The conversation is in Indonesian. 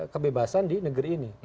kebebasan di negeri ini